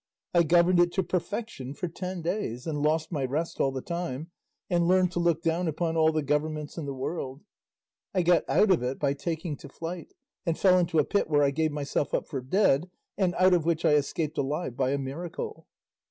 I governed it to perfection for ten days; and lost my rest all the time; and learned to look down upon all the governments in the world; I got out of it by taking to flight, and fell into a pit where I gave myself up for dead, and out of which I escaped alive by a miracle."